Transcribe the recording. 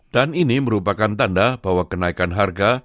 dan ini merupakan tanda bahwa kenaikan harga